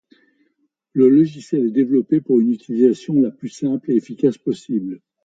Le logiciel est développé pour une utilisation la plus simple et efficace possible.